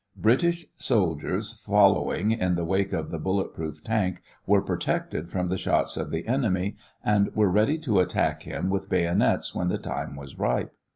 British soldiers following in the wake of the bullet proof tank were protected from the shots of the enemy and were ready to attack him with bayonets when the time was ripe.